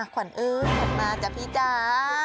ขวรอื่นมาจากพี่จ๊า